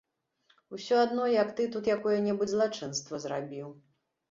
Усё адно, як ты тут якое-небудзь злачынства зрабіў.